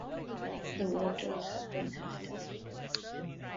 The waters had been his death.